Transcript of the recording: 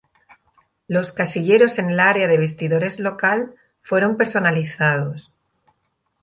Los casilleros en el área de vestidores local, fueron personalizados.